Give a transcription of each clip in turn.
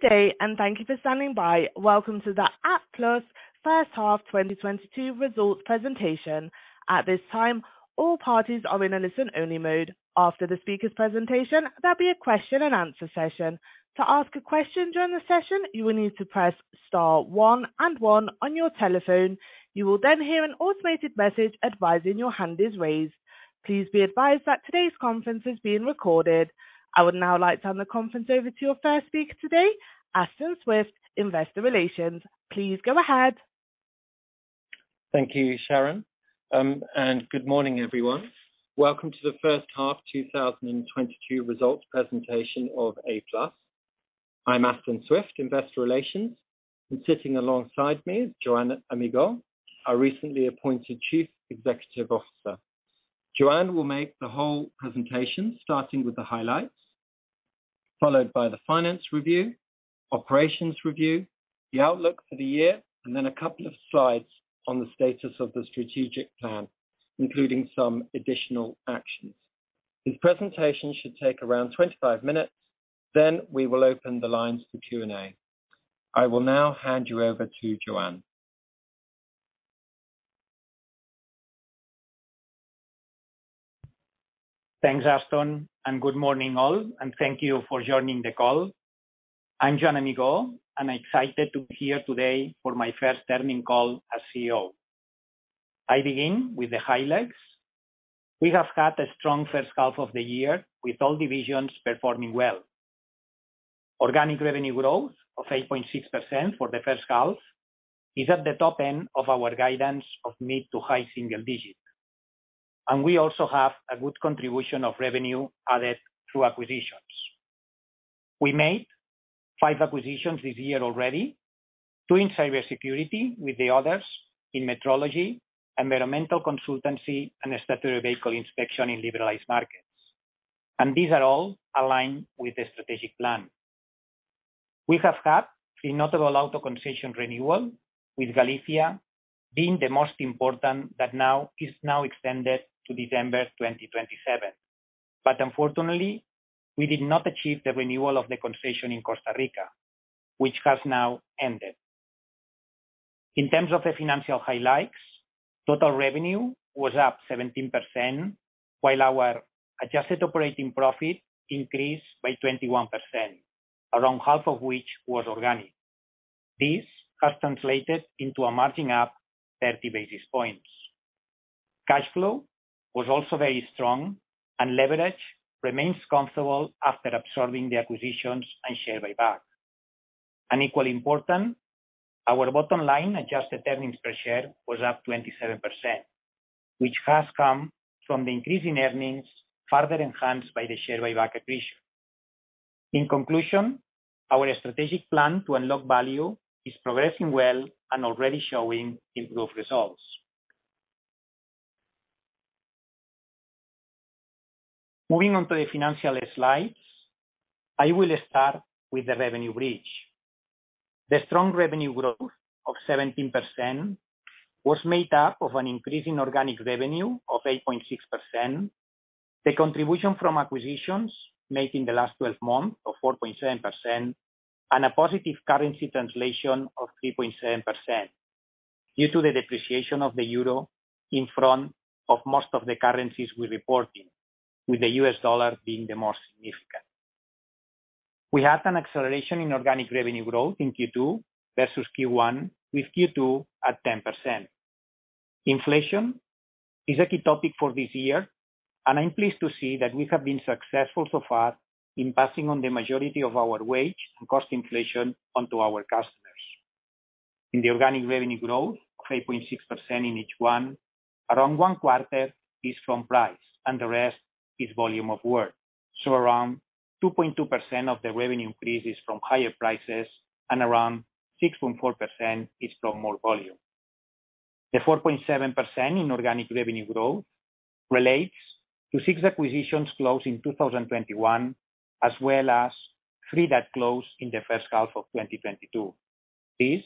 Good day, thank you for standing by. Welcome to the Applus+ first half 2022 results presentation. At this time, all parties are in a listen-only mode. After the speaker's presentation, there'll be a question-and-answer session. To ask a question during the session, you will need to press star one and one on your telephone. You will then hear an automated message advising your hand is raised. Please be advised that today's conference is being recorded. I would now like to hand the conference over to your first speaker today, Aston Swift, Investor Relations. Please go ahead. Thank you, Sharon. Good morning, everyone. Welcome to the first half 2022 results presentation of Applus+. I'm Aston Swift, Investor Relations, and sitting alongside me is Joan Amigó, our recently appointed Chief Executive Officer. Joan will make the whole presentation, starting with the highlights, followed by the finance review, operations review, the outlook for the year, and then a couple of slides on the status of the strategic plan, including some additional actions. This presentation should take around 25 minutes, then we will open the lines for Q&A. I will now hand you over to Joan. Thanks, Aston, and good morning all, and thank you for joining the call. I'm Joan Amigó. I'm excited to be here today for my first earnings call as CEO. I begin with the highlights. We have had a strong first half of the year with all divisions performing well. Organic revenue growth of 8.6% for the first half is at the top end of our guidance of mid-to-high single digit, and we also have a good contribution of revenue added through acquisitions. We made five acquisitions this year already, two in cybersecurity with the others in metrology, environmental consultancy, and statutory vehicle inspection in liberalized markets. These are all aligned with the strategic plan. We have had three notable auto concession renewal, with Galicia being the most important that now extended to December 2027. Unfortunately, we did not achieve the renewal of the concession in Costa Rica, which has now ended. In terms of the financial highlights, total revenue was up 17%, while our adjusted operating profit increased by 21%, around half of which was organic. This has translated into a margin up 30 basis points. Cash flow was also very strong and leverage remains comfortable after absorbing the acquisitions and share buyback. Equally important, our bottom line adjusted earnings per share was up 27%, which has come from the increase in earnings, further enhanced by the share buyback acquisition. In conclusion, our strategic plan to unlock value is progressing well and already showing improved results. Moving on to the financial slides, I will start with the revenue bridge. The strong revenue growth of 17% was made up of an increase in organic revenue of 8.6%, the contribution from acquisitions made in the last 12 months of 4.7%, and a positive currency translation of 3.7% due to the depreciation of the euro in front of most of the currencies we report in, with the U.S. dollar being the most significant. We had an acceleration in organic revenue growth in Q2 vs. Q1, with Q2 at 10%. Inflation is a key topic for this year, and I'm pleased to see that we have been successful so far in passing on the majority of our wage and cost inflation on to our customers. In the organic revenue growth of 8.6% in H1, around one quarter is from price and the rest is volume of work. Around 2.2% of the revenue increase is from higher prices and around 6.4% is from more volume. The 4.7% in organic revenue growth relates to six acquisitions closed in 2021, as well as two that closed in the first half of 2022. These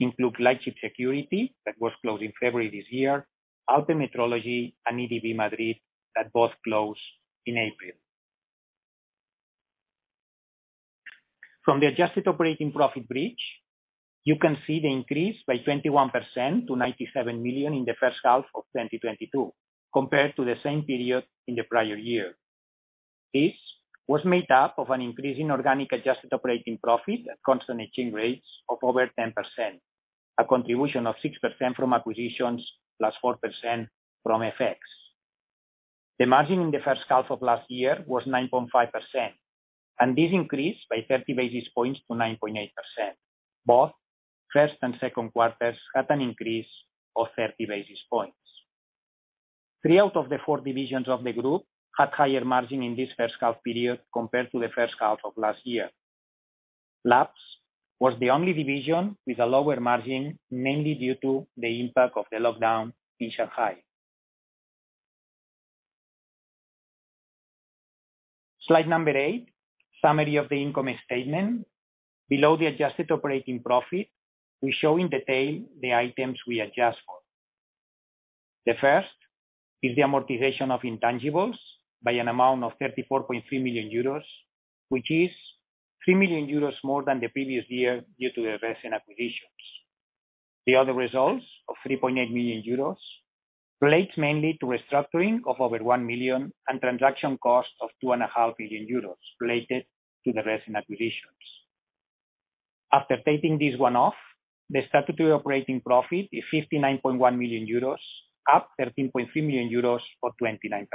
include Lightship Security that was closed in February this year, ALPE Metrología Industrial, and Entidad IDV Madrid that both closed in April. From the adjusted operating profit bridge, you can see the increase by 21% to 97 million in the first half of 2022 compared to the same period in the prior year. This was made up of an increase in organic adjusted operating profit at constant exchange rates of over 10%, a contribution of 6% from acquisitions, plus 4% from FX. The margin in the first half of last year was 9.5%, and this increased by 30 basis points to 9.8%. Both first and second quarters had an increase of 30 basis points. Three out of the four divisions of the group had higher margin in this first half period compared to the first half of last year. Labs was the only division with a lower margin, mainly due to the impact of the lockdown in Shanghai. Slide number eight, summary of the income statement. Below the adjusted operating profit, we show in detail the items we adjust for. The first is the amortization of intangibles by an amount of 34.3 million euros, which is 3 million euros more than the previous year due to investing acquisitions. The other results of 3.8 million euros relate mainly to restructuring of over 1 million and transaction costs of 2.5 million euros related to the recent acquisitions. After taking this one off, the statutory operating profit is 59.1 million euros, up 13.3 million euros or 29%.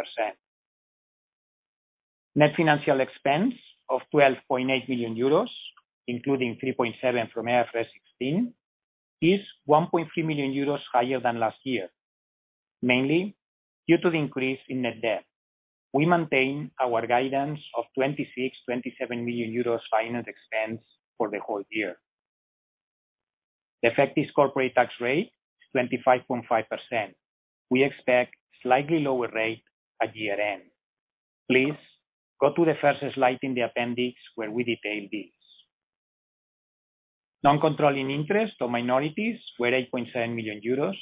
Net financial expense of 12.8 million euros, including 3.7 from IFRS 16, is 1.3 million euros higher than last year, mainly due to the increase in net debt. We maintain our guidance of 26 million- 27 million euros finance expense for the whole year. The effective corporate tax rate is 25.5%. We expect slightly lower rate at year-end. Please go to the first slide in the appendix where we detail this. Non-controlling interest or minorities were 8.7 million euros,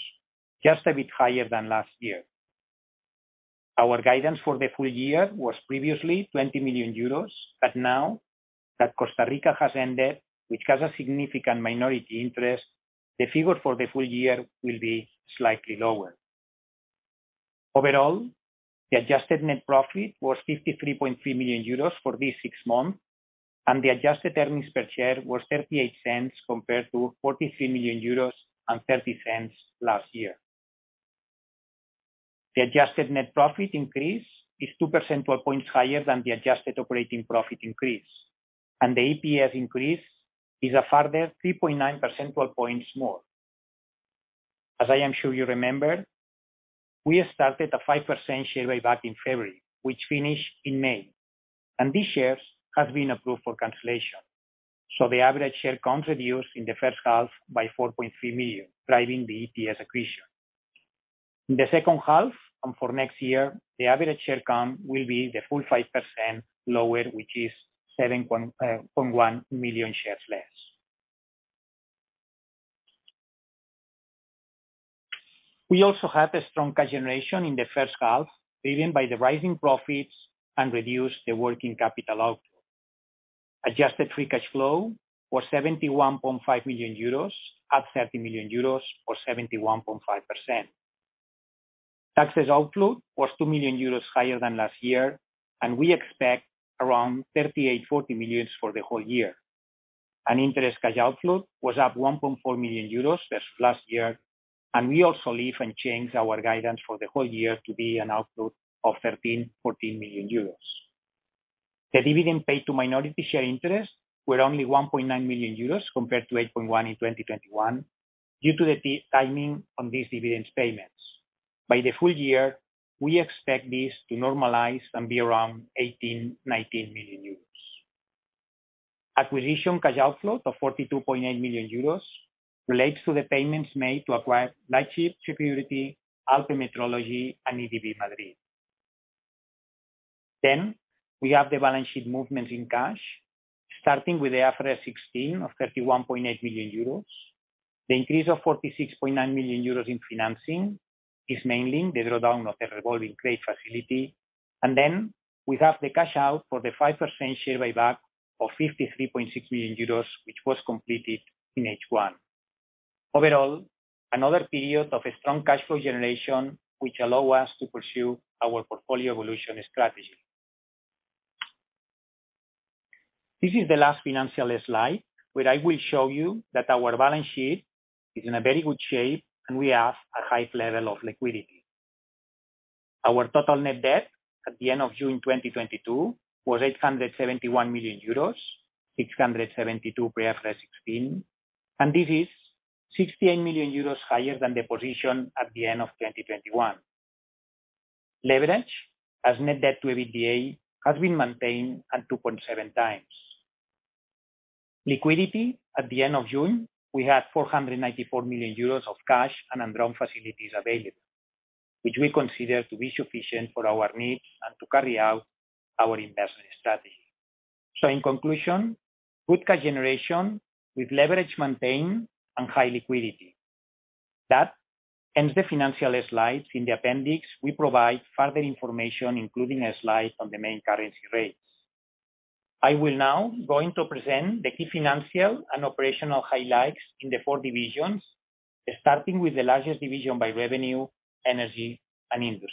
just a bit higher than last year. Our guidance for the full year was previously 20 million euros, but now that Costa Rica has ended, which has a significant minority interest, the figure for the full year will be slightly lower. Overall, the adjusted net profit was 53.3 million euros for these six months, and the adjusted earnings per share was 0.38 compared to 43 million euros and 0.30 last year. The adjusted net profit increase is 2%, 12 points higher than the adjusted operating profit increase, and the EPS increase is a further 3.9%, 12 points more. As I am sure you remember, we started a 5% share buyback in February, which finished in May, and these shares have been approved for cancellation. The average share count reduced in the first half by 4.3 million, driving the EPS accretion. In the second half and for next year, the average share count will be the full 5% lower, which is 7.1 million shares less. We also have a strong cash generation in the first half, driven by the rising profits and reduce the working capital outflow. Adjusted free cash flow was 71.5 million euros, up 30 million euros or 71.5%. Taxes outflow was 2 million euros higher than last year, and we expect around 38 million-40 million for the whole year. Interest cash outflow was up 1.4 million euros vs. Last year, and we also leave and change our guidance for the whole year to be an outflow of 13 million-14 million euros. The dividend paid to minority share interest were only 1.9 million euros compared to 8.1 in 2021 due to the timing on these dividends payments. By the full year, we expect this to normalize and be around 18 million-19 million euros. Acquisition cash outflow of 42.8 million euros relates to the payments made to acquire Lightship Security, ALPE Metrología Industrial, and Entidad IDV Madrid. We have the balance sheet movements in cash, starting with the IFRS 16 of 31.8 million euros. The increase of 46.9 million euros in financing is mainly the drawdown of the revolving credit facility. We have the cash out for the 5% share buyback of 53.6 million euros, which was completed in H1. Overall, another period of a strong cash flow generation, which allow us to pursue our portfolio evolution strategy. This is the last financial slide, where I will show you that our balance sheet is in a very good shape, and we have a high level of liquidity. Our total net debt at the end of June 2022 was 871 million euros, 672 pre IFRS 16, and this is 68 million euros higher than the position at the end of 2021. Leverage, as net debt to EBITDA, has been maintained at 2.7 times. Liquidity at the end of June, we had 494 million euros of cash and undrawn facilities available, which we consider to be sufficient for our needs and to carry out our investment strategy. In conclusion, good cash generation with leverage maintained and high liquidity. That ends the financial slides. In the appendix, we provide further information, including a slide on the main currency rates. I'm now going to present the key financial and operational highlights in the four divisions, starting with the largest division by revenue, Energy & Industry.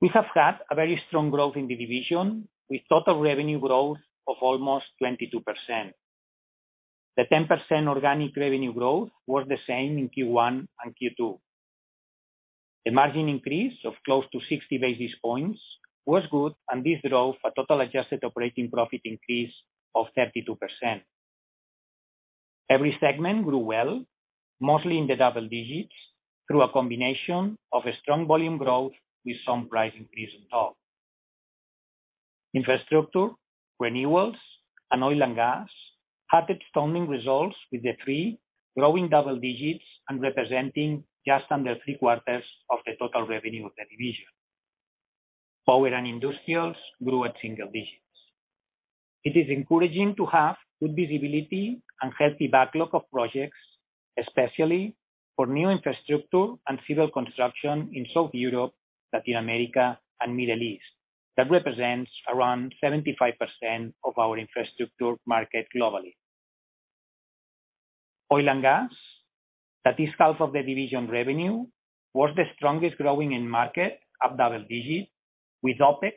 We have had a very strong growth in the division with total revenue growth of almost 22%. The 10% organic revenue growth was the same in Q1 and Q2. The margin increase of close to 60 basis points was good, and this drove a total adjusted operating profit increase of 32%. Every segment grew well, mostly in the double digits, through a combination of a strong volume growth with some price increase on top. Infrastructure, renewals, and oil and gas had outstanding results, with the three growing double digits and representing just under three quarters of the total revenue of the division. Power and industrials grew at single digits. It is encouraging to have good visibility and healthy backlog of projects, especially for new infrastructure and civil construction in Southern Europe, Latin America, and Middle East. That represents around 75% of our infrastructure market globally. Oil and gas, that is half of the division revenue, was the strongest growing in market at double digits, with OpEx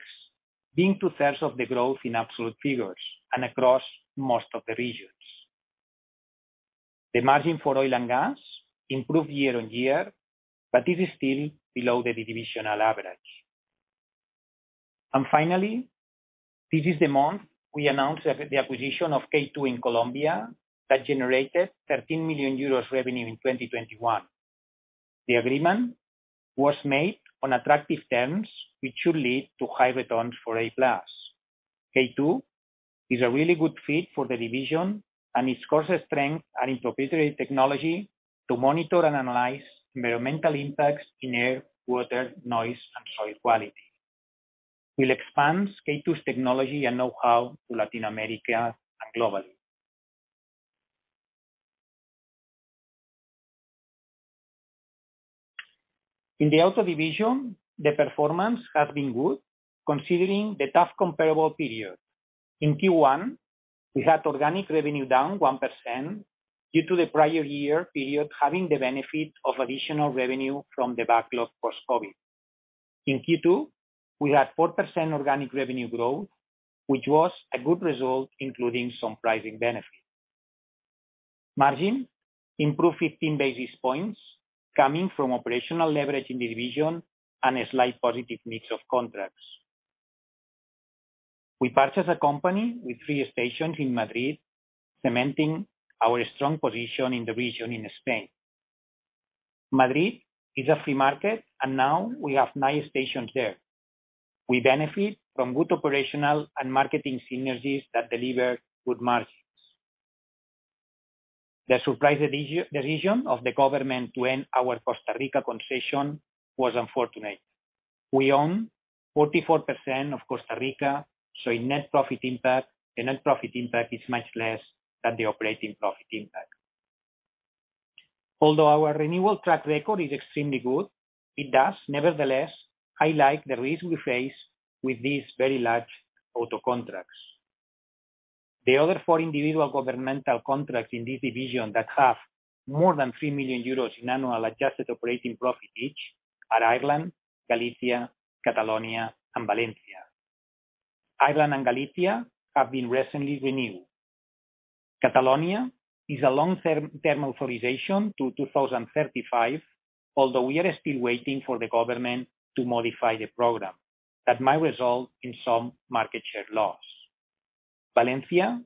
being 2/3 of the growth in absolute figures and across most of the regions. The margin for oil and gas improved year-on-year, but it is still below the divisional average. Finally, this is the month we announced the acquisition of K2 in Colombia that generated 13 million euros revenue in 2021. The agreement was made on attractive terms which should lead to high returns for Applus+. K2 is a really good fit for the division and its core strength and proprietary technology to monitor and analyze environmental impacts in air, water, noise, and soil quality. We'll expand K2's technology and know-how to Latin America and globally. In the auto division, the performance has been good considering the tough comparable period. In Q1, we had organic revenue down 1% due to the prior year period having the benefit of additional revenue from the backlog post-COVID. In Q2, we had 4% organic revenue growth, which was a good result, including some pricing benefit. Margin improved 15 basis points coming from operational leverage in the division and a slight positive mix of contracts. We purchased a company with three stations in Madrid, cementing our strong position in the region in Spain. Madrid is a free market, and now we have nine stations there. We benefit from good operational and marketing synergies that deliver good margins. The surprise decision of the government to end our Costa Rica concession was unfortunate. We own 44% of Costa Rica, so in net profit impact, the net profit impact is much less than the operating profit impact. Although our renewal track record is extremely good, it does, nevertheless, highlight the risk we face with these very large auto contracts. The other four individual governmental contracts in this division that have more than 3 million euros in annual adjusted operating profit each are Ireland, Galicia, Catalonia, and Valencia. Ireland and Galicia have been recently renewed. Catalonia is a long-term authorization to 2035, although we are still waiting for the government to modify the program. That might result in some market share loss. Valencia,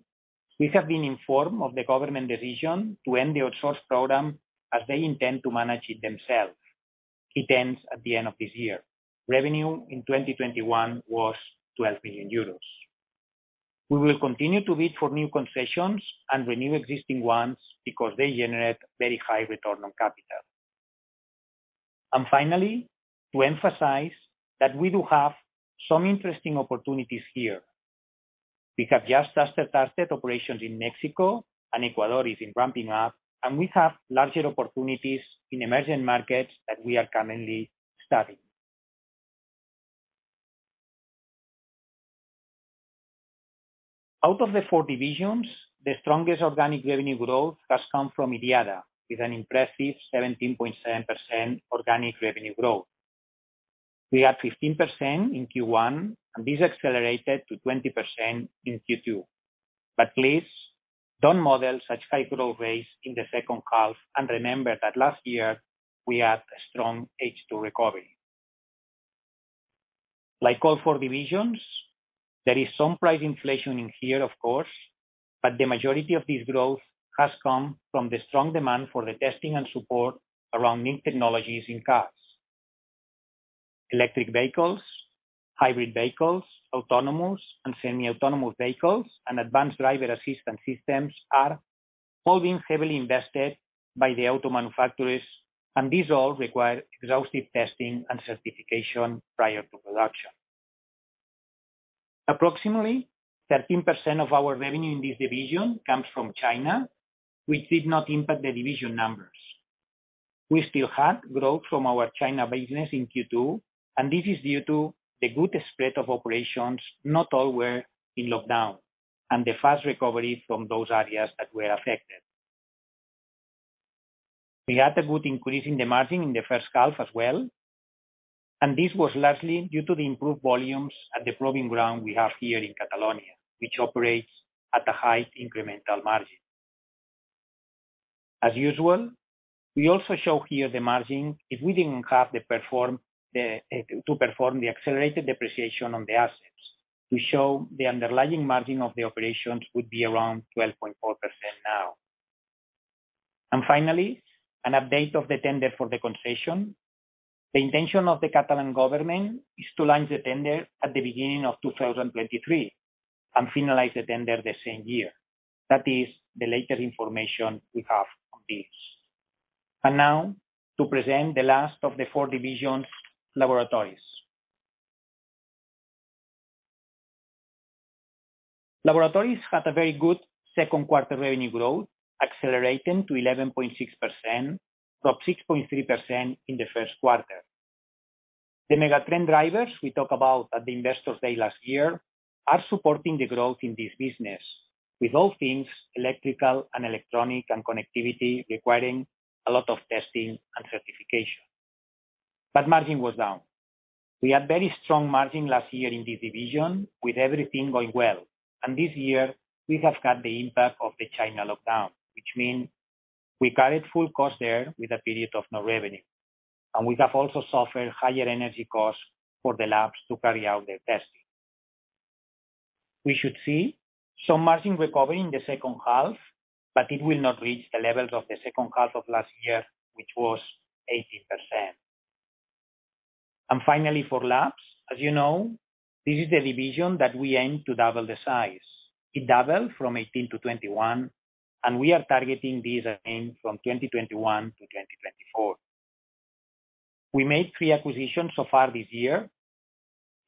we have been informed of the government decision to end the outsource program as they intend to manage it themselves. It ends at the end of this year. Revenue in 2021 was 12 million euros. We will continue to bid for new concessions and renew existing ones because they generate very high return on capital. Finally, to emphasize that we do have some interesting opportunities here. We have just started operations in Mexico and Ecuador is ramping up, and we have larger opportunities in emerging markets that we are currently studying. Out of the four divisions, the strongest organic revenue growth has come from IDIADA with an impressive 17.7% organic revenue growth. We had 15% in Q1, and this accelerated to 20% in Q2. Please, don't model such high growth rates in the second half, and remember that last year we had a strong H2 recovery. Like all four divisions, there is some price inflation in here, of course, but the majority of this growth has come from the strong demand for the testing and support around new technologies in cars. Electric vehicles, hybrid vehicles, autonomous and semi-autonomous vehicles, and advanced driver assistance systems are all being heavily invested by the auto manufacturers, and these all require exhaustive testing and certification prior to production. Approximately 13% of our revenue in this division comes from China, which did not impact the division numbers. We still had growth from our China business in Q2, and this is due to the good spread of operations, not all were in lockdown, and the fast recovery from those areas that were affected. We had a good increase in the margin in the first half as well, and this was largely due to the improved volumes at the proving ground we have here in Catalonia, which operates at a high incremental margin. As usual, we also show here the margin if we didn't have to perform the accelerated depreciation on the assets. We show the underlying margin of the operations would be around 12.4% now. Finally, an update of the tender for the concession. The intention of the Catalan government is to launch the tender at the beginning of 2023 and finalize the tender the same year. That is the latest information we have on this. Now to present the last of the four divisions, Laboratories. Laboratories had a very good second quarter revenue growth, accelerating to 11.6%, from 6.3% in the first quarter. The mega trend drivers we talk about at the Investor Day last year are supporting the growth in this business. With all things electrical and electronic and connectivity requiring a lot of testing and certification. Margin was down. We had very strong margin last year in this division, with everything going well. This year, we have got the impact of the China lockdown, which means we carried full cost there with a period of no revenue. We have also suffered higher energy costs for the labs to carry out their testing. We should see some margin recovery in the second half, but it will not reach the levels of the second half of last year, which was 18%. Finally, for labs, as you know, this is the division that we aim to double the size. It doubled from 18-21, and we are targeting these aims from 2021-2024. We made three acquisitions so far this year,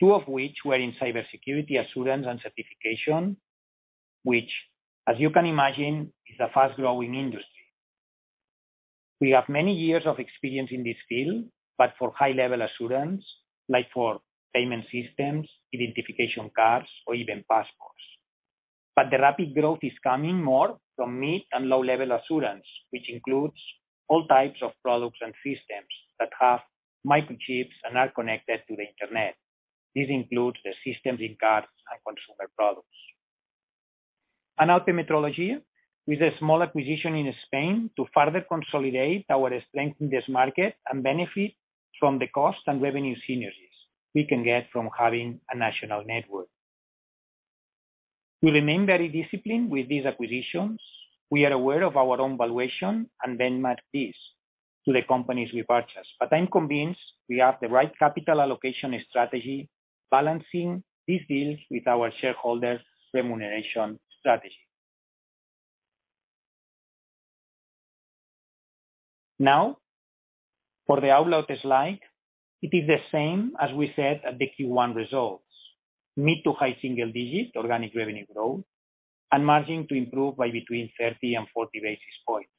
two of which were in cybersecurity assurance and certification, which, as you can imagine, is a fast-growing industry. We have many years of experience in this field, but for high-level assurance, like for payment systems, identification cards, or even passports. The rapid growth is coming more from mid and low-level assurance, which includes all types of products and systems that have microchips and are connected to the internet. This includes the systems in cars and consumer products. Metrology, with a small acquisition in Spain to further consolidate our strength in this market and benefit from the cost and revenue synergies we can get from having a national network. We remain very disciplined with these acquisitions. We are aware of our own valuation and benchmark this to the companies we purchase. I'm convinced we have the right capital allocation strategy, balancing these deals with our shareholders' remuneration strategy. Now, for the outlook slide, it is the same as we said at the Q1 results. Mid to high single-digit organic revenue growth and margin to improve by between 30 and 40 basis points.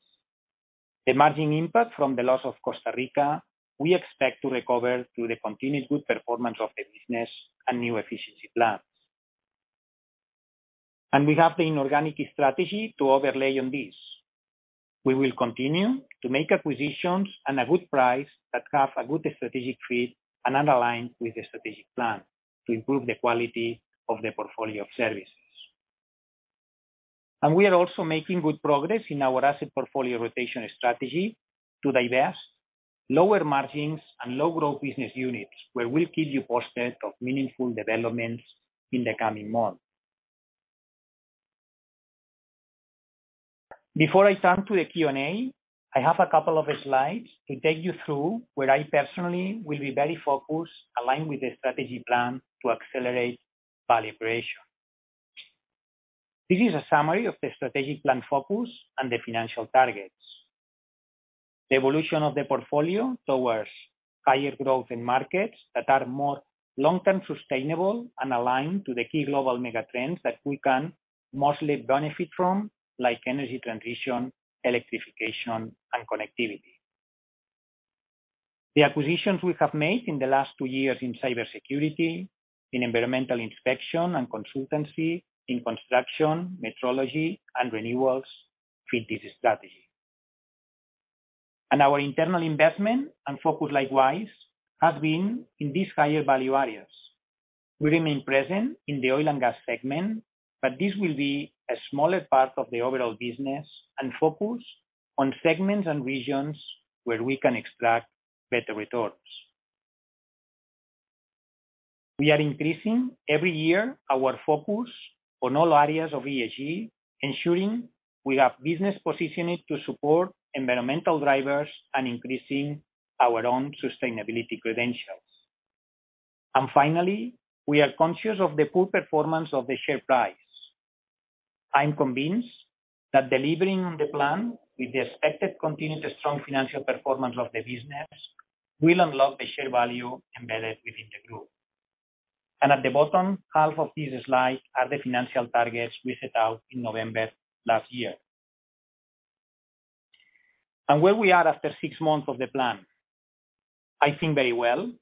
The margin impact from the loss of Costa Rica, we expect to recover through the continued good performance of the business and new efficiency plans. We have the inorganic strategy to overlay on this. We will continue to make acquisitions at a good price that have a good strategic fit and align with the strategic plan to improve the quality of the portfolio of services. We are also making good progress in our asset portfolio rotation strategy to divest lower-margin and low-growth business units, where we'll give you a picture of meaningful developments in the coming months. Before I turn to the Q&A, I have a couple of slides to take you through where I personally will be very focused, aligned with the strategic plan to accelerate value creation. This is a summary of the strategic plan focus and the financial targets. The evolution of the portfolio towards higher growth in markets that are more long-term sustainable and aligned to the key global mega trends that we can mostly benefit from, like energy transition, electrification, and connectivity. The acquisitions we have made in the last two years in cybersecurity, in environmental inspection and consultancy, in construction, metrology, and renewables fit this strategy. Our internal investment and focus likewise has been in these higher value areas. We remain present in the oil and gas segment, but this will be a smaller part of the overall business and focus on segments and regions where we can extract better returns. We are increasing every year our focus on all areas of ESG, ensuring we have business positioning to support environmental drivers and increasing our own sustainability credentials. Finally, we are conscious of the poor performance of the share price. I'm convinced that delivering on the plan with the expected continued strong financial performance of the business will unlock the share value embedded within the group. At the bottom half of this slide are the financial targets we set out in November last year. Where we are after six months of the plan, I think very well,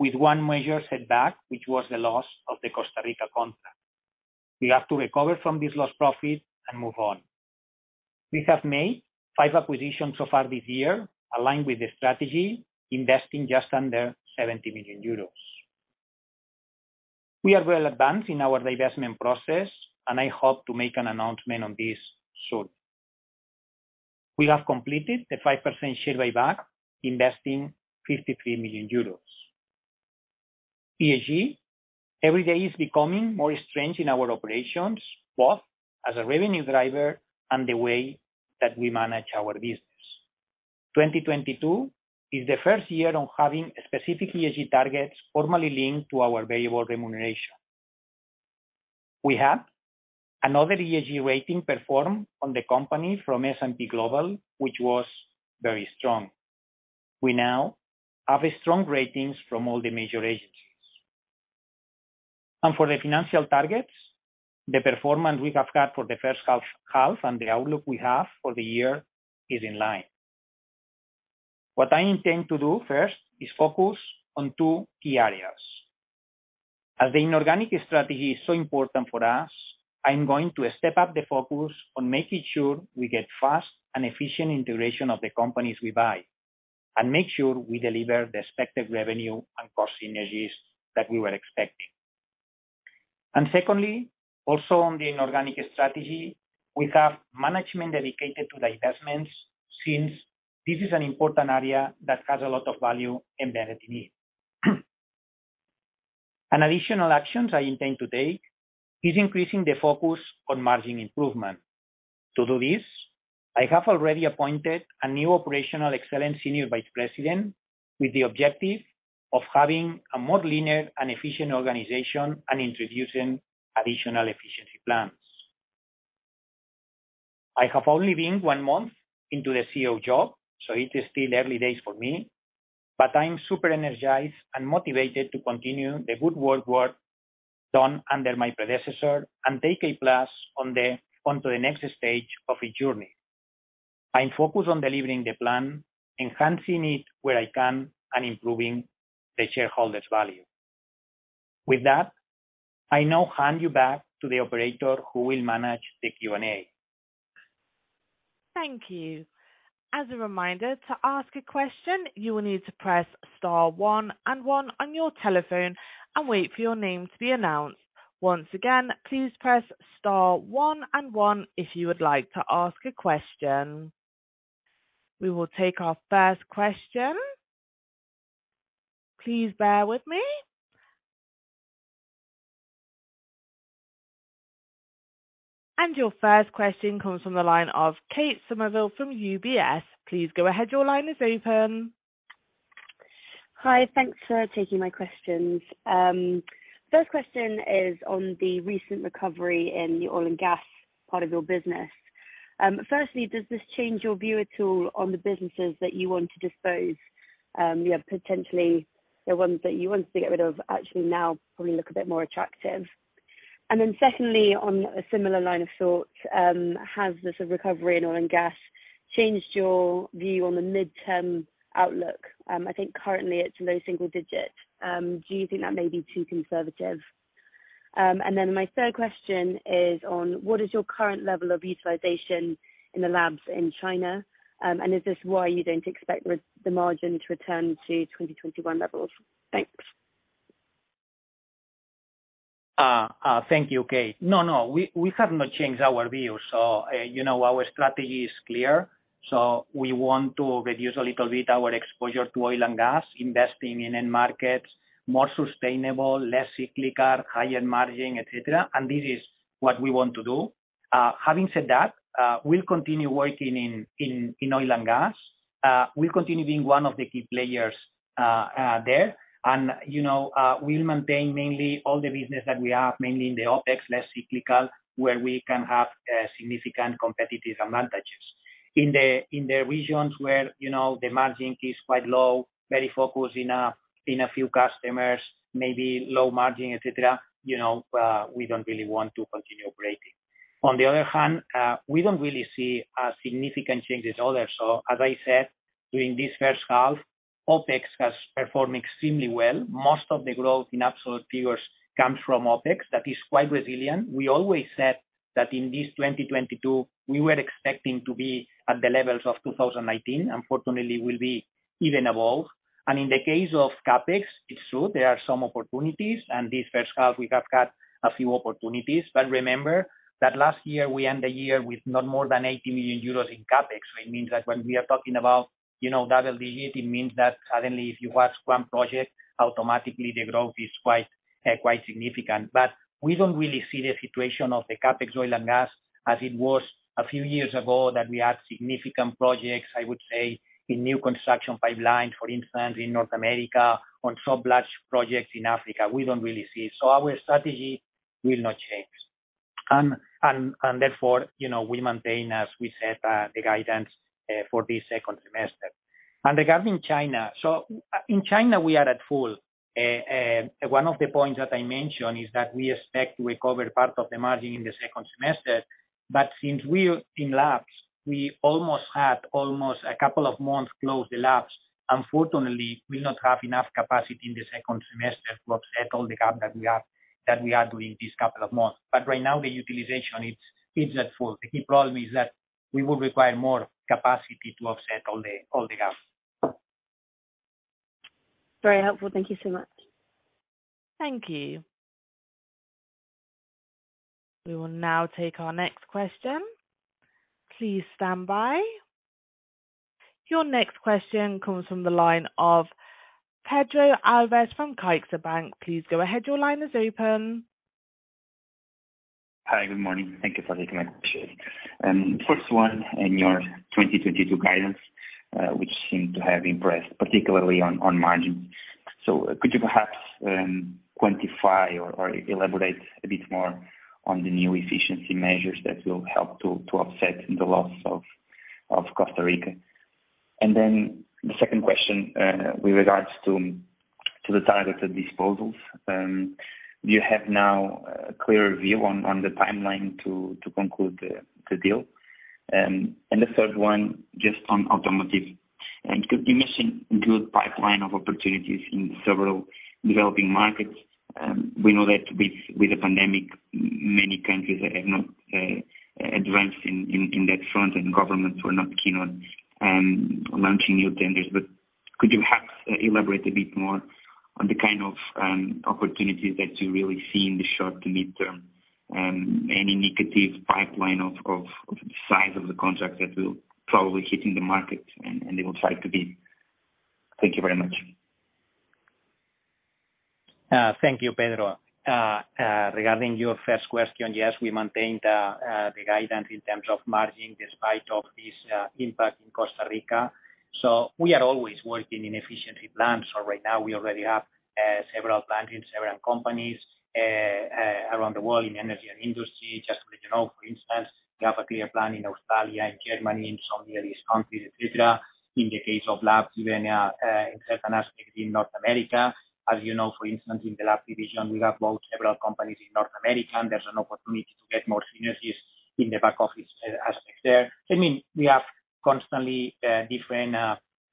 with one major setback, which was the loss of the Costa Rica contract. We have to recover from this lost profit and move on. We have made five acquisitions so far this year, aligned with the strategy, investing just under 70 million euros. We are well advanced in our divestment process, and I hope to make an announcement on this soon. We have completed the 5% share buyback, investing 53 million euros. ESG, every day is becoming more stringent in our operations, both as a revenue driver and the way that we manage our business. 2022 is the first year on having specific ESG targets formally linked to our variable remuneration. We had another ESG rating performed on the company from S&P Global, which was very strong. We now have a strong ratings from all the major agencies. For the financial targets, the performance we have had for the first half and the outlook we have for the year is in line. What I intend to do first is focus on two key areas. As the inorganic strategy is so important for us, I'm going to step up the focus on making sure we get fast and efficient integration of the companies we buy, and make sure we deliver the expected revenue and cost synergies that we were expecting. Secondly, also on the inorganic strategy, we have management dedicated to the investments since this is an important area that has a lot of value embedded in it. An additional actions I intend to take is increasing the focus on margin improvement. To do this, I have already appointed a new operational excellence Senior Vice President with the objective of having a more leaner and efficient organization and introducing additional efficiency plans. I have only been one month into the CEO job, so it is still early days for me, but I am super energized and motivated to continue the good work done under my predecessor and take Applus+ onto the next stage of a journey. I am focused on delivering the plan, enhancing it where I can, and improving the shareholders' value. With that, I now hand you back to the operator who will manage the Q&A. Thank you. As a reminder to ask a question, you will need to press star one and one on your telephone and wait for your name to be announced. Once again, please press star one and one if you would like to ask a question. We will take our first question. Please bear with me. Your first question comes from the line of Kate Somerville from UBS. Please go ahead. Your line is open. Hi. Thanks for taking my questions. First question is on the recent recovery in the oil and gas part of your business. Firstly, does this change your view at all on the businesses that you want to dispose? You have potentially the ones that you wanted to get rid of actually now probably look a bit more attractive. Secondly, on a similar line of thought, has the sort of recovery in oil and gas changed your view on the midterm outlook? I think currently it's low single-digit. Do you think that may be too conservative? My third question is on what is your current level of utilization in the labs in China? Is this why you don't expect the margin to return to 2021 levels? Thanks. Thank you, Kate. No, we have not changed our view. You know, our strategy is clear. We want to reduce a little bit our exposure to oil and gas, investing in end markets, more sustainable, less cyclical, higher margin, etc. This is what we want to do. Having said that, we'll continue working in oil and gas. We'll continue being one of the key players there. You know, we'll maintain mainly all the business that we have, mainly in the OpEx, less cyclical, where we can have significant competitive advantages. In the regions where you know, the margin is quite low, very focused in a few customers, maybe low margin, etc., you know, we don't really want to continue operating. On the other hand, we don't really see a significant change in order. As I said, during this first half, OpEx has performed extremely well. Most of the growth in absolute figures comes from OpEx. That is quite resilient. We always said that in this 2022, we were expecting to be at the levels of 2019. Unfortunately, we'll be even above. In the case of CapEx, it's true, there are some opportunities. This first half, we have had a few opportunities. Remember that last year we end the year with not more than 80 million euros in CapEx. It means that when we are talking about, you know, double-digit, it means that suddenly if you watch one project, automatically the growth is quite significant. We don't really see the situation of the CapEx oil and gas as it was a few years ago, that we had significant projects, I would say, in new construction pipelines, for instance, in North America, on subsea projects in Africa. We don't really see. Our strategy will not change. Therefore, you know, we maintain, as we said, the guidance for this second semester. Regarding China. In China, we are at full. One of the points that I mentioned is that we expect to recover part of the margin in the second semester. Since we're in labs, we almost had a couple of months closed labs. Unfortunately, we'll not have enough capacity in the second semester to offset all the gap that we have, that we are doing this couple of months. Right now the utilization it's at full. The key problem is that we will require more capacity to offset all the gaps. Very helpful. Thank you so much. Thank you. We will now take our next question. Please stand by. Your next question comes from the line of Pedro Alves from CaixaBank. Please go ahead. Your line is open. Hi, good morning. Thank you for taking my questions. First one, in your 2022 guidance, which seemed to have impressed particularly on margin. Could you perhaps quantify or elaborate a bit more on the new efficiency measures that will help to offset the loss of Costa Rica? Then the second question, with regards to the target of disposals. Do you have now a clear view on the timeline to conclude the deal? And the third one just on automotive. Could you mention good pipeline of opportunities in several developing markets? We know that with the pandemic many countries have not advanced in that front, and governments were not keen on launching new tenders. Could you perhaps elaborate a bit more on the kind of opportunities that you really see in the short to mid-term, any negative pipeline of the size of the contracts that will probably hit in the market and they will try to beat? Thank you very much. Thank you, Pedro. Regarding your first question, yes, we maintained the guidance in terms of margin despite of this impact in Costa Rica. We are always working in efficiency plans. Right now we already have several plans in several companies around the world in Energy & Industry. Just to let you know, for instance, we have a clear plan in Australia and Germany and some Middle East countries, etc. In the case of labs, even in certain aspects in North America. As you know, for instance, in the lab division, we have both several companies in North America, and there's an opportunity to get more synergies in the back-office aspect there. I mean, we have constantly different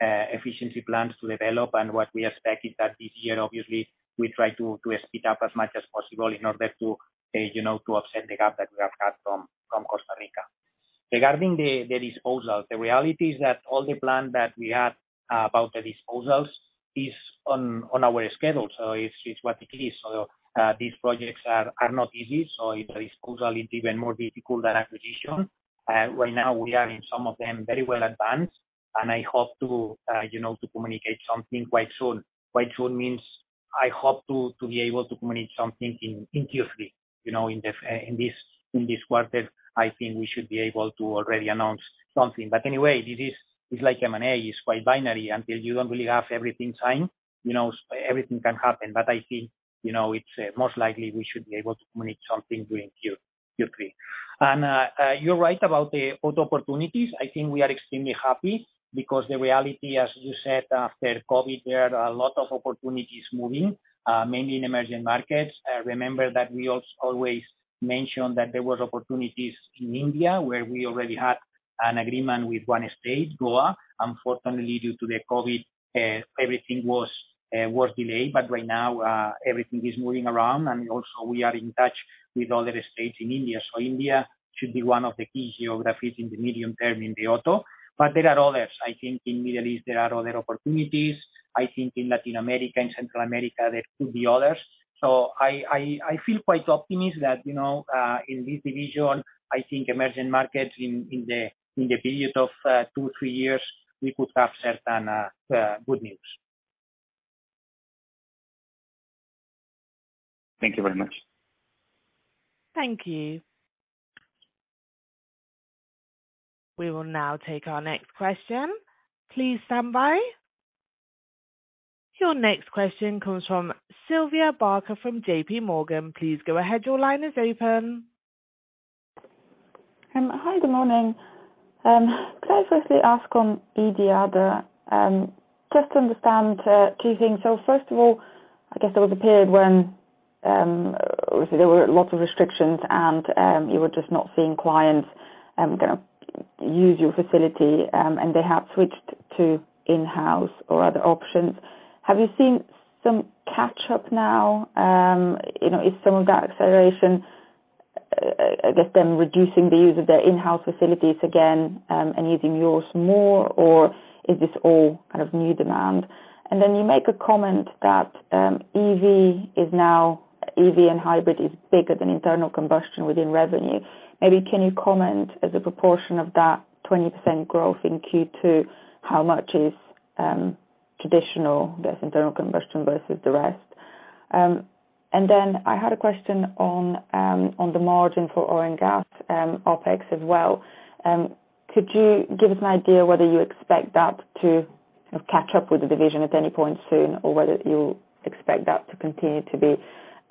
efficiency plans to develop. What we expect is that this year, obviously, we try to speed up as much as possible in order to, you know, to offset the gap that we have had from Costa Rica. Regarding the disposals, the reality is that all the plan that we had about the disposals is on our schedule, so it's what it is. These projects are not easy, so a disposal is even more difficult than acquisition. Right now we are in some of them very well advanced, and I hope to, you know, to communicate something quite soon. Quite soon means I hope to be able to communicate something in Q3. You know, in this quarter, I think we should be able to already announce something. Anyway, this is, it's like M&A, it's quite binary. Until you don't really have everything signed, you know, everything can happen. I think, you know, it's most likely we should be able to communicate something during Q3. You're right about the auto opportunities. I think we are extremely happy because the reality, as you said, after COVID, there are a lot of opportunities moving mainly in emerging markets. Remember that we always mentioned that there was opportunities in India, where we already had an agreement with one state, Goa. Unfortunately, due to the COVID, everything was delayed. Right now, everything is moving around, and also we are in touch with other states in India. India should be one of the key geographies in the medium term in the auto. There are others. I think in Middle East there are other opportunities. I think in Latin America and Central America, there could be others. I feel quite optimistic that, you know, in this division, I think emerging markets in the period of two-three years, we could have certain good news. Thank you very much. Thank you. We will now take our next question. Please stand by. Your next question comes from Sylvia Barker from JPMorgan. Please go ahead. Your line is open. Hi, good morning. Could I firstly ask on IDIADA, just to understand two things. First of all, I guess there was a period when obviously there were lots of restrictions and you were just not seeing clients gonna use your facility, and they have switched to in-house or other options. Have you seen some catch up now? You know, is some of that acceleration, I guess, them reducing the use of their in-house facilities again, and using yours more, or is this all kind of new demand? Then you make a comment that EV is now, EV and hybrid is bigger than internal combustion within revenue. Maybe can you comment as a proportion of that 20% growth in Q2 how much is traditional, that's internal combustion vs. The rest? I had a question on the margin for oil and gas, OpEx as well. Could you give us an idea whether you expect that to catch up with the division at any point soon or whether you expect that to continue to be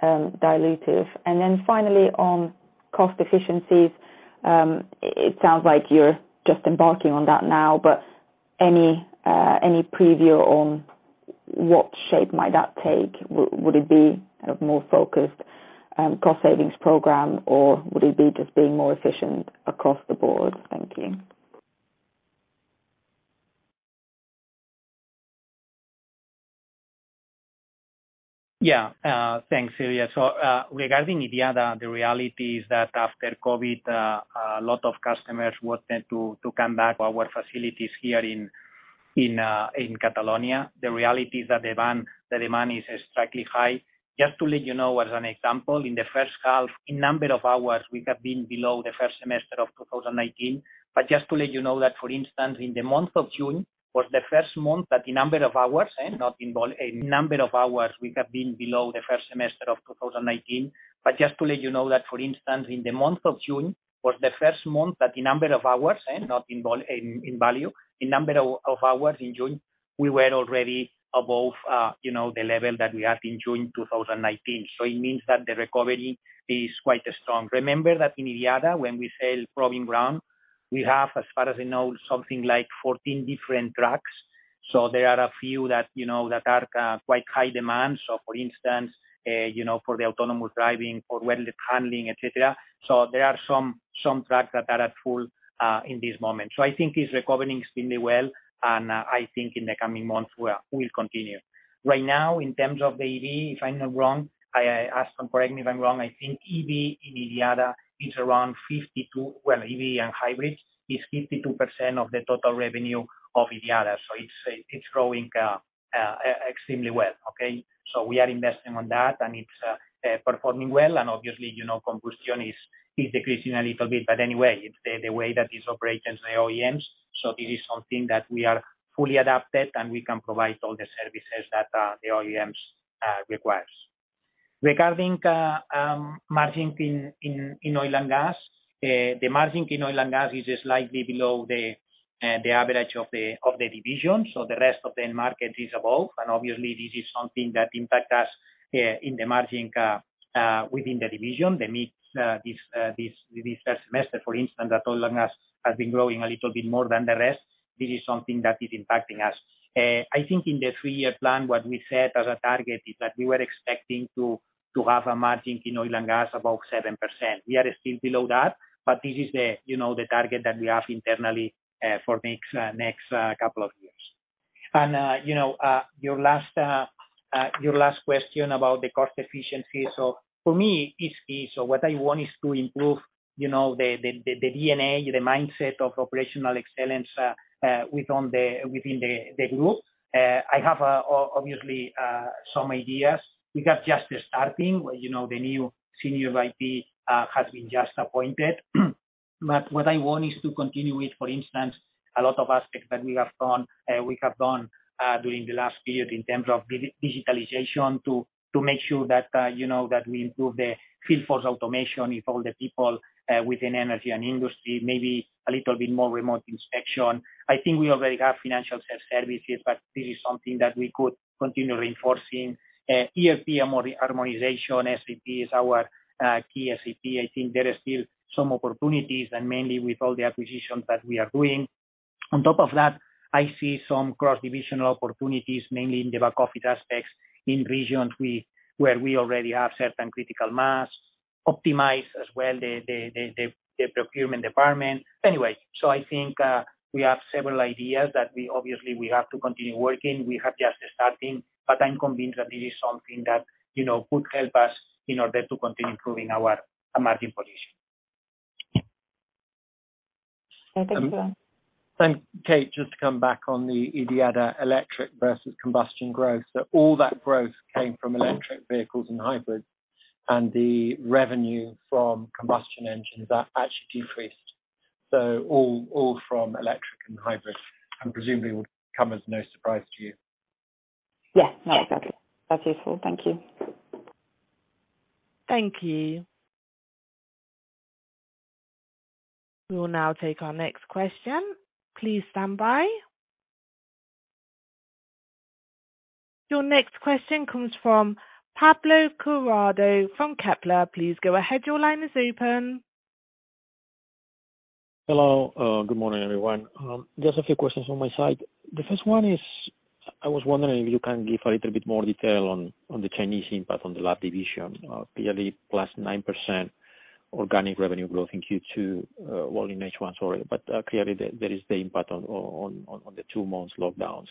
dilutive? Finally on cost efficiencies, it sounds like you're just embarking on that now, but any preview on what shape might that take? Would it be a more focused cost savings program, or would it be just being more efficient across the board? Thank you. Yeah. Thanks, Sylvia. Regarding our area, the reality is that after COVID, a lot of customers were tending to come back to our facilities here in Catalonia. The reality is that demand is extremely high. Just to let you know as an example, in the first half, in number of hours, we have been below the first semester of 2019. Just to let you know that for instance, in the month of June, was the first month that the number of hours in number of hours we have not been below the first semester of 2019. Just to let you know that for instance, in the month of June, was the first month that the number of hours in June, we were already above, you know, the level that we had in June 2019. It means that the recovery is quite strong. Remember that in IDIADA, when we sell proving ground, we have, as far as I know, something like 14 different tracks. There are a few that, you know, that are quite high demand. For instance, you know, for the autonomous driving, for handling, etc. There are some tracks that are at full in this moment. I think it's recovering extremely well, and I think in the coming months, we'll continue. Right now, in terms of the EV, if I'm not wrong, I ask and correct me if I'm wrong, I think EV in IDIADA is around 52%. Well, EV and hybrids is 52% of the total revenue of IDIADA. It's growing extremely well. Okay? We are investing on that, and it's performing well. Obviously, you know, combustion is decreasing a little bit. Anyway, it's the way that this operates in the OEMs. This is something that we are fully adapted, and we can provide all the services that the OEMs requires. Regarding margins in oil and gas, the margin in oil and gas is slightly below the average of the division. The rest of the end market is above. Obviously, this is something that impacts us in the margin within the division. This last semester, for instance, that oil and gas has been growing a little bit more than the rest. This is something that is impacting us. I think in the three year plan, what we said as a target is that we were expecting to have a margin in oil and gas above 7%. We are still below that, but this is the target, you know, that we have internally for next couple of years. You know, your last question about the cost efficiency. For me, it's easy. What I want is to improve, you know, the D&A, the mindset of operational excellence within the group. I have obviously some ideas. We got just starting, you know, the new Senior VP has been just appointed. What I want is to continue it, for instance, a lot of aspects that we have done during the last period in terms of digitalization to make sure that we improve the field force automation with all the people within Energy & Industry, maybe a little bit more remote inspection. I think we already have financial services, but this is something that we could continue reinforcing. ERP harmonization, SAP is our key SAP. I think there is still some opportunities and mainly with all the acquisitions that we are doing. On top of that, I see some cross-divisional opportunities, mainly in the back office aspects in regions where we already have certain critical mass, optimize as well the procurement department. Anyway, I think we have several ideas that we obviously have to continue working. We have just starting, but I'm convinced that this is something that, you know, could help us in order to continue improving our margin position. Okay. Thank you. Kate, just to come back on the IDIADA electric vs. Combustion growth. All that growth came from electric vehicles and hybrids, and the revenue from combustion engines are actually decreased. All from electric and hybrid, and presumably would come as no surprise to you. Yes. No, exactly. That's useful. Thank you. Thank you. We will now take our next question. Please stand by. Your next question comes from Pablo Cuadrado from Kepler. Please go ahead. Your line is open. Hello. Good morning, everyone. Just a few questions on my side. The first one is, I was wondering if you can give a little bit more detail on the Chinese impact on the lab division. Clearly +9% organic revenue growth in Q2, in H1, sorry. Clearly there is the impact on the two months lockdowns.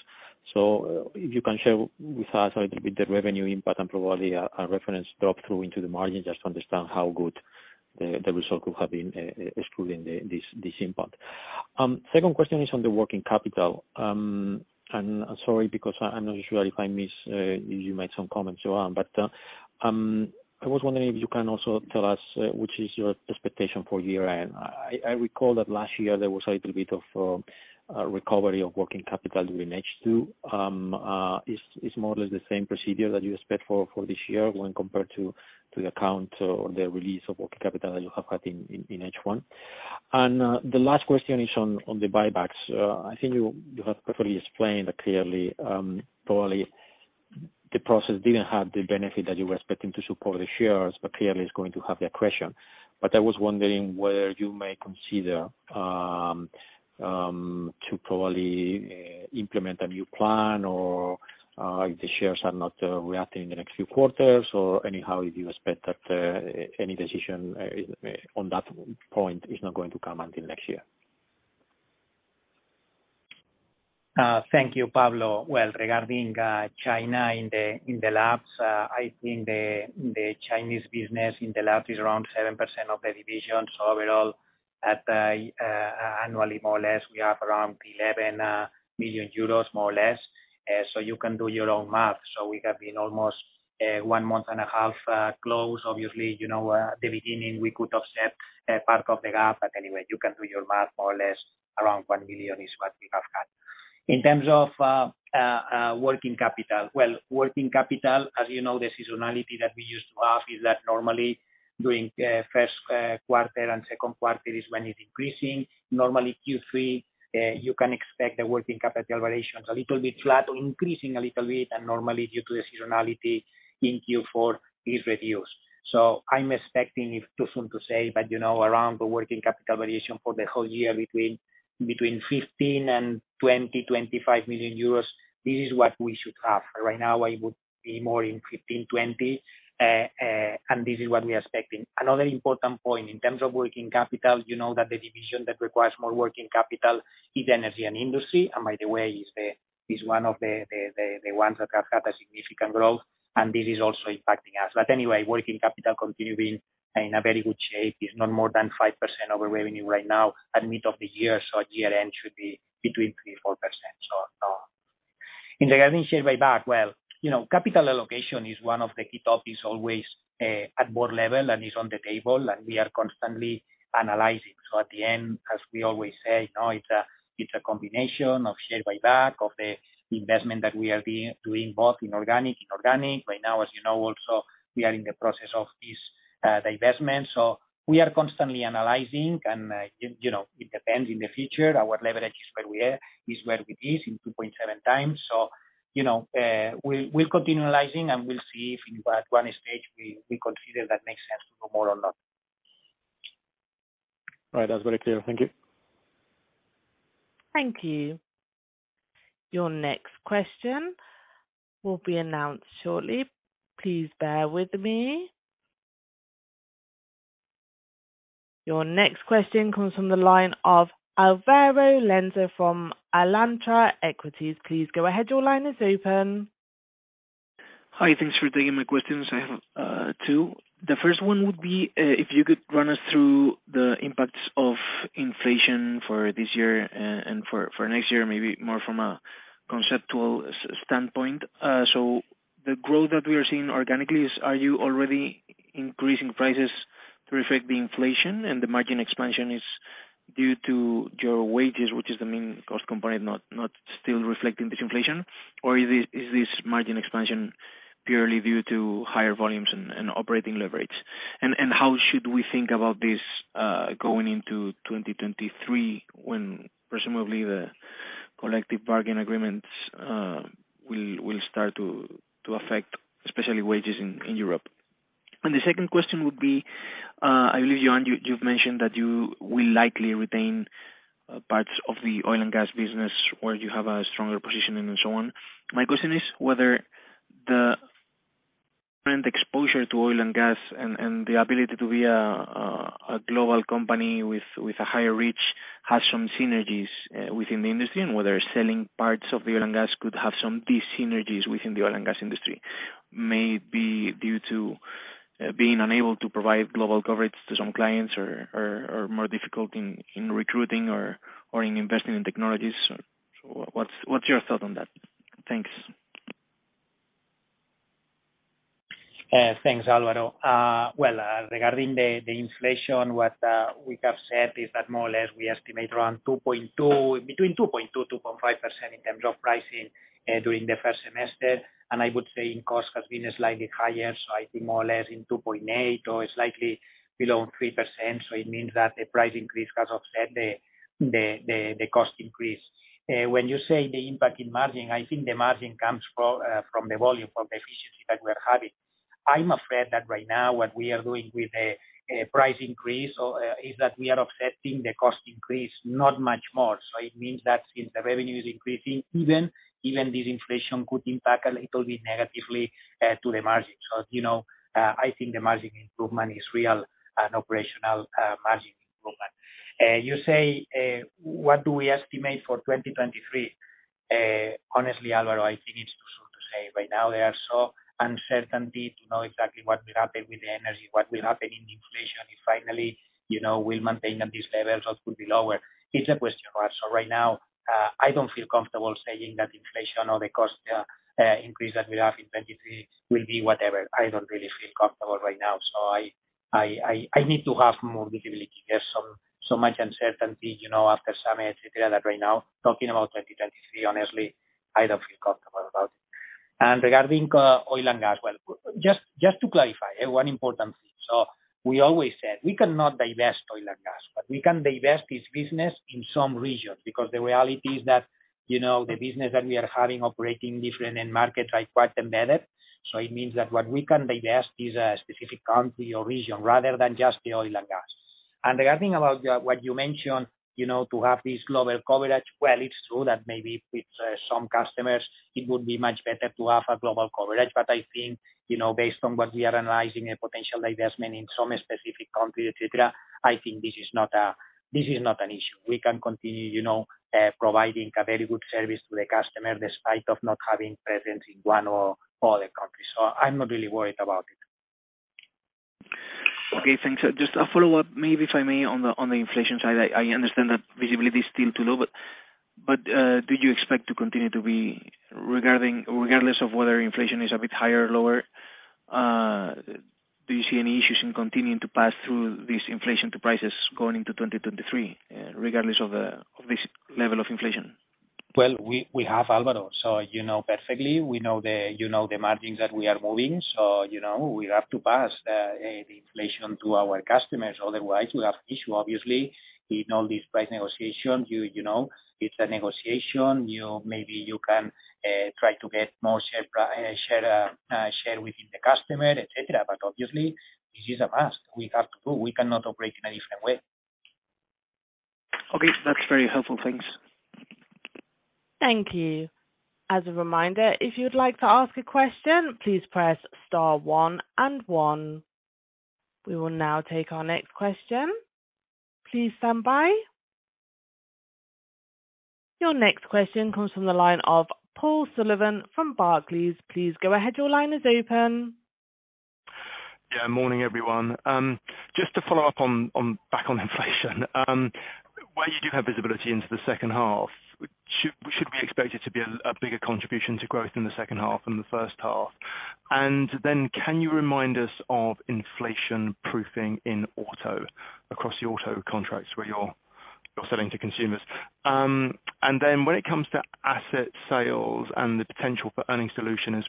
If you can share with us a little bit the revenue impact and probably a reference drop through into the margin, just to understand how good the results could have been, excluding this impact. Second question is on the working capital. Sorry, because I'm not sure if I missed, you made some comments on. I was wondering if you can also tell us which is your expectation for year-end. I recall that last year there was a little bit of recovery of working capital during H2. Is more or less the same procedure that you expect for this year when compared to the account or the release of working capital that you have had in H1? The last question is on the buybacks. I think you have perfectly explained that clearly, probably the process didn't have the benefit that you were expecting to support the shares, but clearly it's going to have that question. I was wondering whether you may consider to probably implement a new plan or if the shares are not reacting in the next few quarters or anyhow if you expect that any decision on that point is not going to come until next year. Thank you, Pablo. Well, regarding China in the labs, I think the Chinese business in the lab is around 7% of the division. Overall, annually, more or less, we have around 11 million euros, more or less. You can do your own math. We have been almost one month and a half closed. Obviously, you know, at the beginning we could offset a part of the gap, but anyway, you can do your math, more or less around 1 million is what we have had. In terms of working capital. Well, working capital, as you know, the seasonality that we used to have is that normally during first quarter and second quarter is when it's increasing. Normally Q3, you can expect the working capital variations a little bit flat or increasing a little bit. Normally due to the seasonality in Q4, it reverses. I'm expecting, it's too soon to say, but you know, around the working capital variation for the whole year between 15 million euros and 25 million euros. This is what we should have. Right now, I would be more in 15 million-20 million, and this is what we are expecting. Another important point in terms of working capital, you know that the division that requires more working capital is Energy & Industry. By the way, it is one of the ones that have had a significant growth, and this is also impacting us. Working capital continues being in a very good shape, is not more than 5% of our revenue right now at mid of the year. At year-end should be between 3%-4%. Regarding share buyback, well, you know, capital allocation is one of the key topics always at board level and is on the table, and we are constantly analyzing. At the end, as we always say, you know, it's a, it's a combination of share buyback, of the investment that we are doing both in organic and inorganic. Right now, as you know also, we are in the process of this divestment. We are constantly analyzing and, you know, it depends in the future. Our leverage is where we are, which is 2.7x. You know, we'll continue analyzing, and we'll see if at one stage we consider that makes sense to go more or not. Right. That's very clear. Thank you. Thank you. Your next question will be announced shortly. Please bear with me. Your next question comes from the line of Álvaro Lenze from Alantra Equities. Please go ahead. Your line is open. Hi. Thanks for taking my questions. I have two. The first one would be if you could run us through the impacts of inflation for this year and for next year, maybe more from a conceptual standpoint. So the growth that we are seeing organically is. Are you already increasing prices to reflect the inflation and the margin expansion is due to your wages, which is the main cost component, not still reflecting this inflation? Or is this margin expansion purely due to higher volumes and operating leverage? And how should we think about this going into 2023, when presumably the collective bargain agreements will start to affect especially wages in Europe? The second question would be, I believe you and you've mentioned that you will likely retain parts of the oil and gas business where you have a stronger positioning and so on. My question is whether the current exposure to oil and gas and the ability to be a global company with a higher reach has some synergies within the industry, and whether selling parts of the oil and gas could have some dyssynergies within the oil and gas industry. Maybe due to being unable to provide global coverage to some clients or more difficult in recruiting or in investing in technologies. What's your thought on that? Thanks. Thanks, Álvaro. Well, regarding the inflation, what we have said is that more or less we estimate between 2.2%-2.5% in terms of pricing during the first semester. I would say in cost has been slightly higher, so I think more or less 2.8% or slightly below 3%. It means that the price increase has offset the cost increase. When you say the impact in margin, I think the margin comes from the volume, from the efficiency that we're having. I'm afraid that right now what we are doing with the price increase is that we are offsetting the cost increase, not much more. It means that if the revenue is increasing, even this inflation could impact a little bit negatively to the margin. You know, I think the margin improvement is real and operational margin improvement. You say, what do we estimate for 2023? Honestly, Álvaro, I think it's too soon to say. Right now, there is so much uncertainty to know exactly what will happen with the energy, what will happen with inflation. If finally, you know, we'll maintain at this level, it could be lower. It's a question mark. Right now, I don't feel comfortable saying that inflation or the cost increase that we have in 2023 will be whatever. I don't really feel comfortable right now. I need to have more visibility. There's so much uncertainty, you know, after summer, etc., that right now talking about 2023, honestly, I don't feel comfortable about it. Regarding oil and gas, well, just to clarify one important thing. We always said we cannot divest oil and gas, but we can divest this business in some regions because the reality is that, you know, the business that we are having operating different end markets are quite embedded. It means that what we can divest is a specific country or region rather than just the oil and gas. Regarding about what you mentioned, you know, to have this global coverage, well, it's true that maybe with some customers it would be much better to have a global coverage. I think, you know, based on what we are analyzing a potential divestment in some specific country, etc., I think this is not an issue. We can continue, you know, providing a very good service to the customer despite of not having presence in one or all the countries. I'm not really worried about it. Okay, thanks. Just a follow-up, maybe if I may, on the inflation side. I understand that visibility is still too low, but do you expect to continue regardless of whether inflation is a bit higher or lower? Do you see any issues in continuing to pass through this inflation to prices going into 2023, regardless of this level of inflation? Well, we have, Álvaro, so you know perfectly, we know, you know, the margins that we are moving, so you know, we have to pass the inflation to our customers. Otherwise, we have issue obviously. We know this price negotiation. You know, it's a negotiation. You know, maybe you can try to get more share within the customer, etc. Obviously, this is a must. We have to. We cannot operate in a different way. Okay. That's very helpful. Thanks. Thank you. As a reminder, if you'd like to ask a question, please press star one and one. We will now take our next question. Please stand by. Your next question comes from the line of Paul Sullivan from Barclays. Please go ahead. Your line is open. Yeah, morning, everyone. Just to follow up, back on inflation. Where you do have visibility into the second half, should we expect it to be a bigger contribution to growth in the second half from the first half? Then can you remind us of inflation proofing in auto, across the auto contracts where you're selling to consumers? Then when it comes to asset sales and the potential for earnings dilution as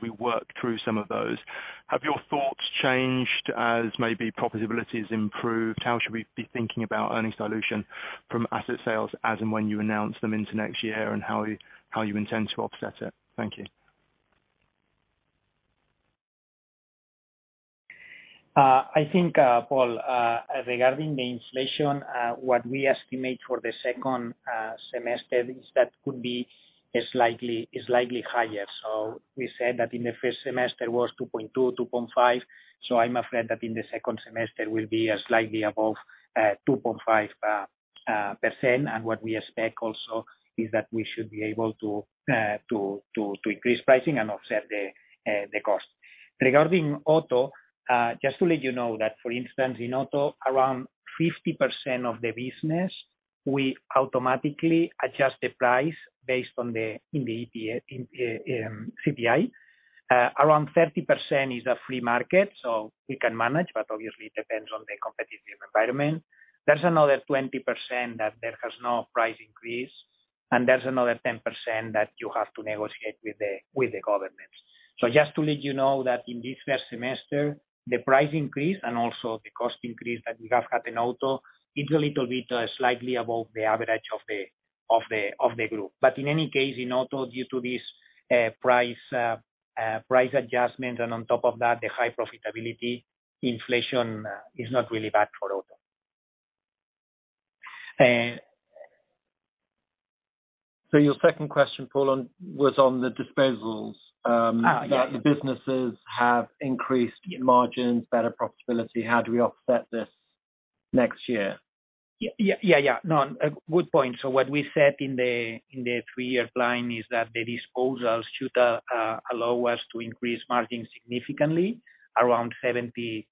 we work through some of those, have your thoughts changed as maybe profitability's improved? How should we be thinking about earnings dilution from asset sales as and when you announce them into next year and how you intend to offset it? Thank you. I think, Paul, regarding the inflation, what we estimate for the second semester is that could be slightly higher. We said that in the first semester was 2.2%-2.5%. I'm afraid that in the second semester will be slightly above 2.5%. What we expect also is that we should be able to increase pricing and offset the cost. Regarding auto, just to let you know that for instance, in auto, around 50% of the business, we automatically adjust the price based on the CPI. Around 30% is a free market, so we can manage, but obviously it depends on the competitive environment. There's another 20% that there has no price increase, and there's another 10% that you have to negotiate with the governments. Just to let you know that in this first semester, the price increase and also the cost increase that we have had in auto is a little bit slightly above the average of the group. In any case, in auto, due to this price adjustment, and on top of that, the high profitability inflation is not really bad for auto. Your second question, Paul, was on the disposals. Yeah. That the businesses have increased margins, better profitability. How do we offset this next year? Yeah. No, good point. What we said in the three-year plan is that the disposals should allow us to increase margins significantly around 70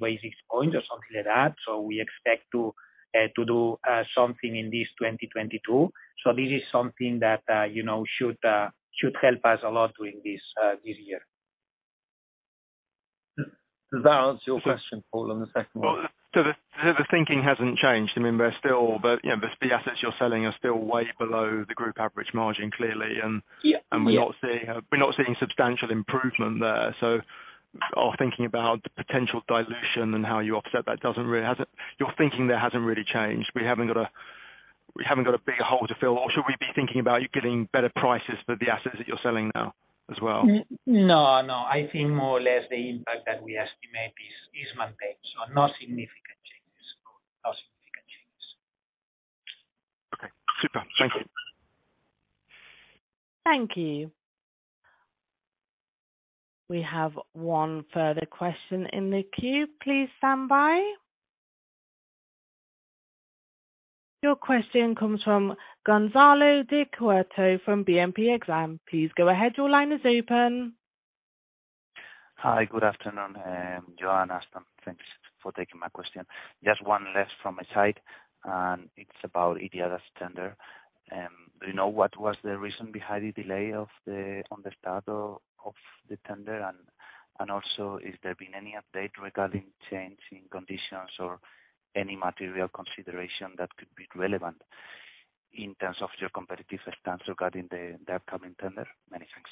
basis points or something like that. We expect to do something in this 2022. This is something that, you know, should help us a lot during this year. Does that answer your question, Paul, on the second one? Well, the thinking hasn't changed. I mean, they're still the, you know, the assets you're selling are still way below the group average margin, clearly. Yeah. Yeah. We're not seeing substantial improvement there. Our thinking about the potential dilution and how you offset that doesn't really. Your thinking there hasn't really changed. We haven't got a big hole to fill. Should we be thinking about you getting better prices for the assets that you're selling now as well? No. I think more or less the impact that we estimate is maintained. No significant changes. Okay. Super. Thank you. Thank you. We have one further question in the queue. Please stand by. Your question comes from Gonzalo de Cueto from BNP Paribas Exane. Please go ahead. Your line is open. Hi. Good afternoon, Joan, Aston. Thanks for taking my question. Just one last from my side, and it's about IDIADA's tender. Do you know what was the reason behind the delay on the start of the tender? And also, has there been any update regarding change in conditions or any material consideration that could be relevant in terms of your competitive stance regarding the upcoming tender? Many thanks.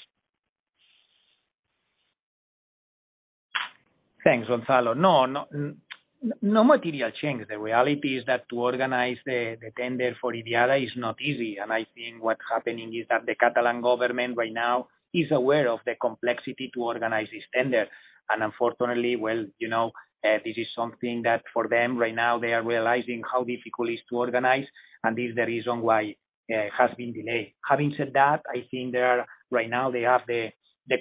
Thanks, Gonzalo. No material change. The reality is that to organize the tender for IDIADA is not easy. I think what's happening is that the Catalan government right now is aware of the complexity to organize this tender. Unfortunately, you know, this is something that for them right now they are realizing how difficult it is to organize, and this is the reason why it has been delayed. Having said that, I think they are right now they have the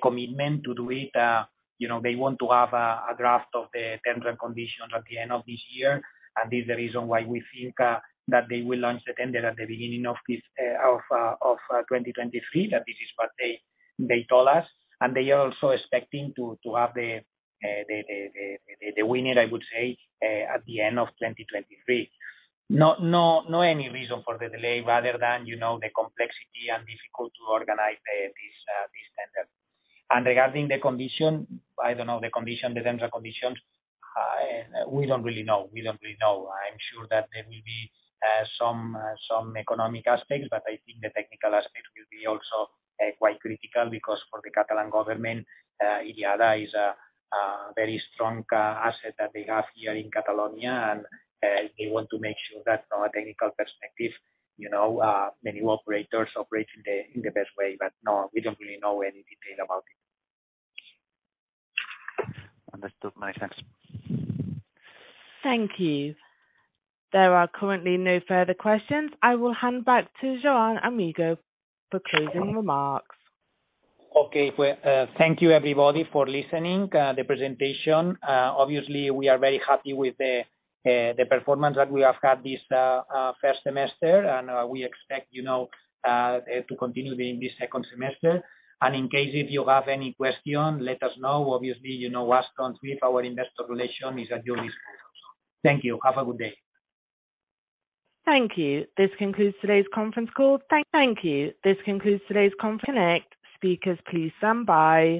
commitment to do it. You know, they want to have a draft of the tender conditions at the end of this year. This is the reason why we think that they will launch the tender at the beginning of this of 2023. This is what they told us. They are also expecting to have the winning, I would say, at the end of 2023. No, any reason for the delay rather than, you know, the complexity and difficult to organize this tender. Regarding the condition, I don't know the condition, the tender conditions. We don't really know. I'm sure that there will be some economic aspects, but I think the technical aspect will be also quite critical because for the Catalan government, IDIADA is a very strong asset that they have here in Catalonia. They want to make sure that from a technical perspective, you know, the new operators operate in the best way. No, we don't really know any detail about it. Understood. Many thanks. Thank you. There are currently no further questions. I will hand back to Joan Amigó for closing remarks. Okay. Well, thank you everybody for listening to the presentation. Obviously we are very happy with the performance that we have had this first semester, and we expect, you know, to continue in this second semester. In case if you have any question, let us know. Obviously, you know, our Investor Relations is at your disposal. Thank you. Have a good day. Thank you. This concludes today's conference call. Thank you. This concludes today's conference. Connect speakers please stand by.